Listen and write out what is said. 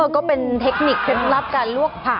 ก็เป็นเทคนิคเคล็ดลับการลวกผัก